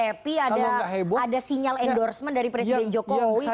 masa gerindra enggak happy ada sinyal endorsement dari presiden jokowi ke pak prabowo